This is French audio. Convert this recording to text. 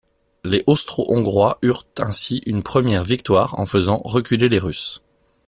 Les Austro-Hongrois eurent ainsi une première victoire en faisant reculer les Russes.